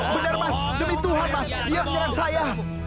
benar mas demi tuhan dia menyerang saya